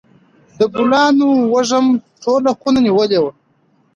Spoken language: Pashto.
د ګلانو وږم ټوله خونه نیولې وه.